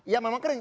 ya memang kering